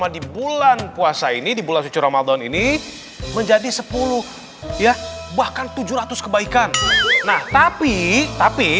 di bulan puasa ini di bulan suci ramadhan ini menjadi sepuluh ya bahkan tujuh ratus kebaikan nah tapi tapi